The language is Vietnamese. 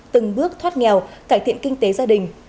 từng bước thoát nghèo cải thiện kinh tế gia đình